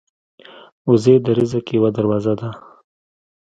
وزې د رزق یوه دروازه ده